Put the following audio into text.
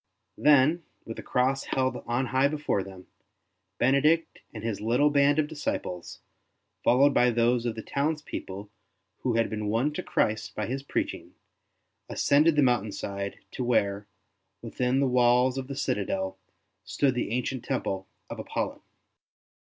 Then, with the Cross held on high before them, Benedict and his Uttle band of disciples, followed by those of the townspeople who had been won to Christ by his preaching, ascended the mountain side to where, within the walls of the citadel, stood the ancient temple of Apollo.